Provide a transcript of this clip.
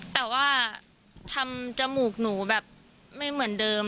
แต่ว่าทำจมูกหนูแบบไม่เหมือนเดิม